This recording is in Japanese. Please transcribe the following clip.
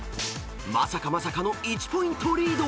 ［まさかまさかの１ポイントリード］